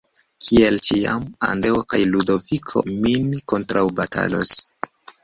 Kiel ĉiam, Andreo kaj Ludoviko min kontraŭbatalos.